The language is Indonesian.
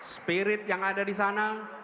spirit yang ada di sana